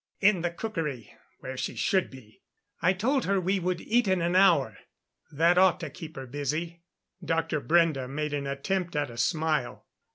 "In the cookery, where she should be. I told her we would eat in an hour. That ought to keep her busy." Dr. Brende made an attempt at a smile.